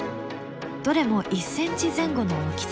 どれも１ｃｍ前後の大きさ。